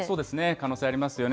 可能性ありますよね。